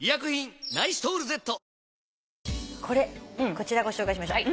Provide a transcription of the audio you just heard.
こちらご紹介しましょう。